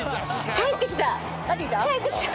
帰ってきた？